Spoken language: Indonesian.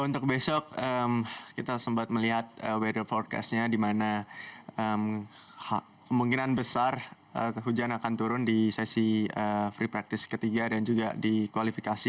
untuk besok kita sempat melihat weara fordcast nya di mana kemungkinan besar hujan akan turun di sesi free practice ketiga dan juga di kualifikasi